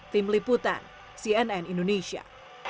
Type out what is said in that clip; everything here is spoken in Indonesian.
tim liputan cnn indonesia